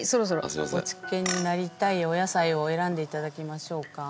お漬けになりたいお野菜を選んでいただきましょうか。